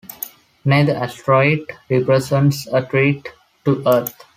Neither asteroid represents a threat to Earth.